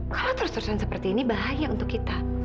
kalau terus terusan seperti ini bahaya untuk kita